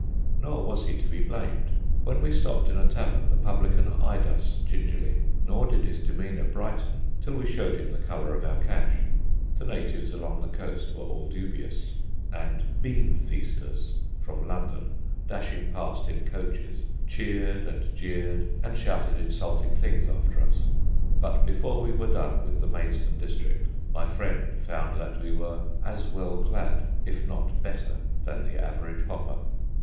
Nor was he to be blamed. When we stopped in a tavern the publican eyed us gingerly, nor did his demeanour brighten till we showed him the colour of our cash. The natives along the coast were all dubious; and "bean feasters" from London, dashing past in coaches, cheered and jeered and shouted insulting things after us. But before we were done with the Maidstone district my friend found that we were as well clad, if not better, than the average hopper.